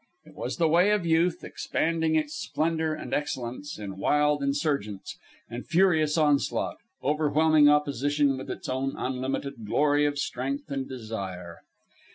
It was the way of Youth, expending its splendour and excellence in wild insurgence and furious onslaught, overwhelming opposition with its own unlimited glory of strength and desire.